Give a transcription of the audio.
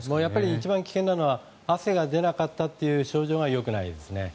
一番危ないのが汗が出なかったという症状がよくないですね。